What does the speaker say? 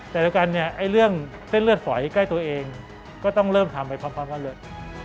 แต่ด้วยกันเนี่ยไอ้เรื่องเส้นเลือดฝอยใกล้ตัวเองก็ต้องเริ่มทำไปพร้อมแล้วเลือด